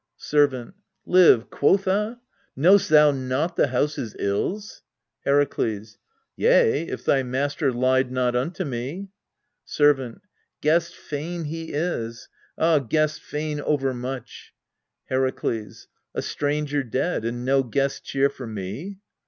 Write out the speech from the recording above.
Servant. Live, quotha ! knowst thou not the house's ills? Herakles. Yea, if thy master lied not unto me. Servant. Guest fain he is ah, guest fain overmuch. Herakles. A stranger dead and no guest cheer for me